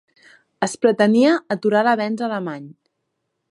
Es pretenia aturar l'avenç alemany.